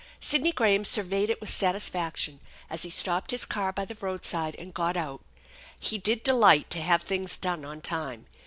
Sidney Graham surveyed it with satisfaction as he stopped his car by the roadside and got out. He did delight to have things done on time.